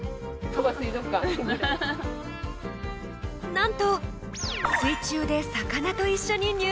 なんと水中で魚と一緒に入社式！